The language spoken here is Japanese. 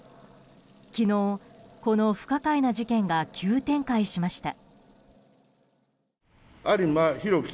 昨日、この不可解な事件が急展開しました。